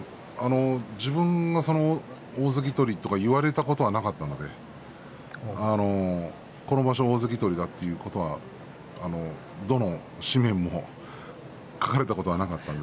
自分は大関取りとか言われたことはなかったんですがこの場所大関取りだということはどの紙面も書かれたことはないんです。